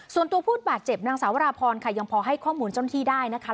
ส่วนตัวผู้บาดเจ็บนางสาวราพรค่ะยังพอให้ข้อมูลเจ้าหน้าที่ได้นะคะ